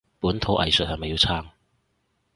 本土藝術係咪要撐？